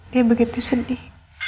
dia begitu sedih